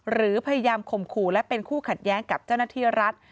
หรือพยายามข่มขู่และเป็นคู่ขัดแย้งกับเจ้าหน้าที่รัฐ